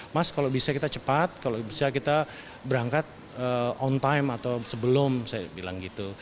mas kalau bisa kita cepat kalau bisa kita berangkat on time atau sebelum saya bilang gitu